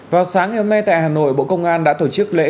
vào sáng ngày hôm nay tại hà nội bộ công an đã tổ chức lễ